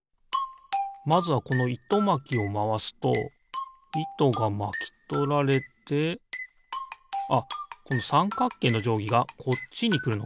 まずはこのいとまきをまわすといとがまきとられてあっこのさんかくけいのじょうぎがこっちにくるのか。